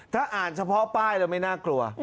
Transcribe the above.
ถ้าอ่านเฉพาะป้ายแล้วไม่น่ากลัว